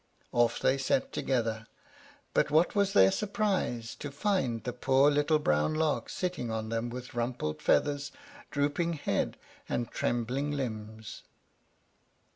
Off they set together; but what was their surprise to find the poor little brown Lark sitting on them with rumpled feathers, drooping head, and trembling limbs.